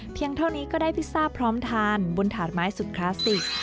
เท่านี้ก็ได้พิซซ่าพร้อมทานบนถาดไม้สุดคลาสติก